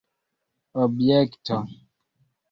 objekto